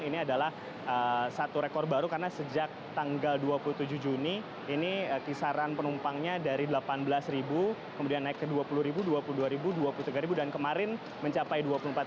ini adalah satu rekor baru karena sejak tanggal dua puluh tujuh juni ini kisaran penumpangnya dari delapan belas kemudian naik ke dua puluh dua puluh dua dua puluh tiga dan kemarin mencapai dua puluh empat